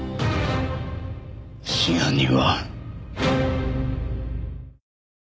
真犯人は。